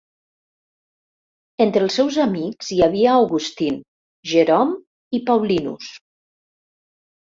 Entre els seus amics hi havia Augustine, Jerome i Paulinus.